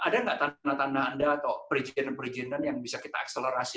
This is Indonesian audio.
ada nggak tanda tanda anda atau perizinan perizinan yang bisa kita akselerasi